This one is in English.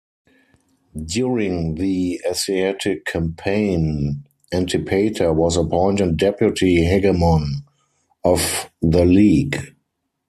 During the Asiatic campaign, Antipater was appointed deputy hegemon of the League.